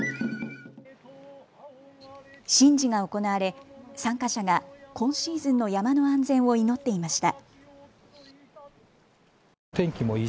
神事が行われ参加者が今シーズンの山の安全を祈っていました。